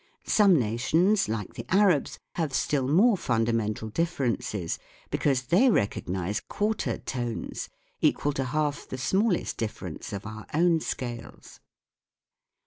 Some nations, like the Arabs, have still more fundamental differences, because they recognise quarter tones, equal to half the smallest difference of our own scales.